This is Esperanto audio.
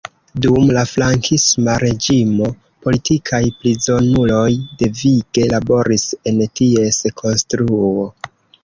Dum la Frankisma reĝimo, politikaj prizonuloj devige laboris en ties konstruo.